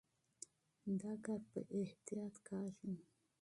دا کار په احتیاط کېږي.